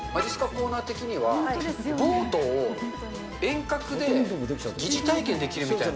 コーナー的には、ボートを遠隔で疑似体験できるみたいな。